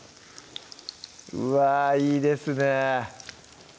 うわいいですね